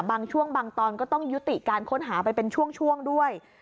บางช่วงบางตอนก็ต้องยุติการค้นหาไปเป็นช่วงด้วย